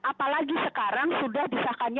apalagi sekarang sudah disahkannya